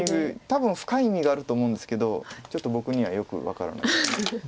多分深い意味があると思うんですけどちょっと僕にはよく分からないです。